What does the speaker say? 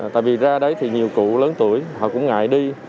tại vì ra đấy thì nhiều cụ lớn tuổi họ cũng ngại đi